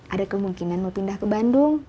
ada kemungkinan mau pindah ke bandung